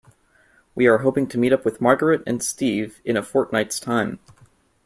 We are hoping to meet up with Margaret and Steve in a fortnight's time.